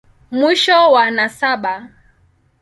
Mwisho wa nasaba.